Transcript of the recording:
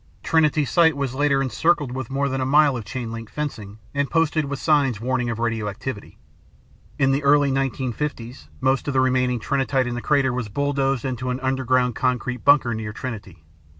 Trinity Site was later encircled with more than a mile of chain link fencing and posted with signs warning of radioactivity. In the early 1950s most of the remaining Trinitite in the crater was bulldozed into a underground concrete bunker near Trinity.